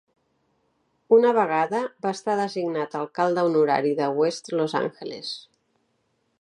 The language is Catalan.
Una vegada va estar designat alcalde honorari de West Los Angeles.